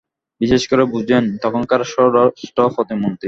বিশেষ করে বোঝেন তখনকার স্বরাষ্ট্র প্রতিমন্ত্রী।